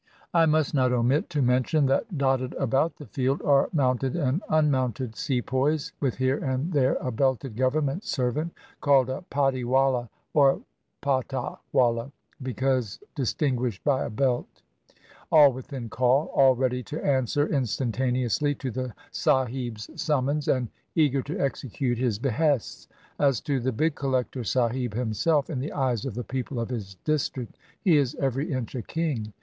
I must not omit to mention that dotted about the field are mounted and unmounted sepoys, with here and there a belted government servant (called a patti wala, or paUa wala, because distinguished by a belt) — all within call — all ready to answer instantaneously to the sahib's summons, and eager to execute his behests. As to the big collector sahib himself, in the eyes of the people of his district he is every inch a king.